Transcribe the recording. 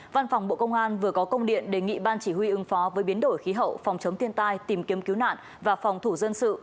văn phòng bộ công an vừa có công điện đề nghị ban chỉ huy ứng phó với biến đổi khí hậu phòng chống thiên tai tìm kiếm cứu nạn và phòng thủ dân sự